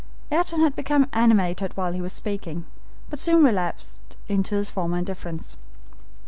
Ayrton had become animated while he was speaking, but soon relapsed into his former indifference.